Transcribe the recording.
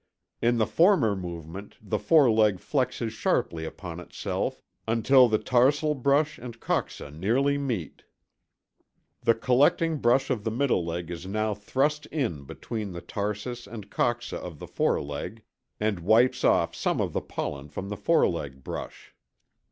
In the former movement the foreleg flexes sharply upon itself until the tarsal brush and coxa nearly meet. The collecting brush of the middle leg is now thrust in between the tarsus and coxa of the foreleg and wipes off some of the pollen from the foreleg brush.